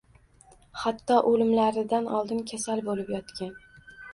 Hatto o‘limlaridan oldin kasal bo‘lib yotgan